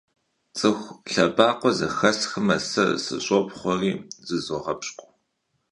ЦӀыху лъэбакъуэ зэхэсхмэ, сэ сыщӀопхъуэри зызогъэпщкӀу.